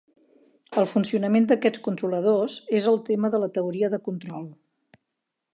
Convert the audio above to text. El funcionament d'aquests controladors és el tema de la teoria de control.